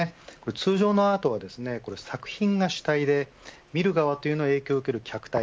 通常のアートは作品が主体で見る側というのは影響を受ける客体